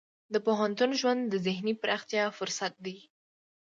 د پوهنتون ژوند د ذهني پراختیا فرصت دی.